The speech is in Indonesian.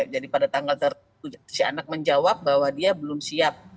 jadi pada tanggal tertujuh si anak menjawab bahwa dia belum siap